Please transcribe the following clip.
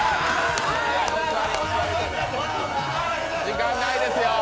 時間ないですよ。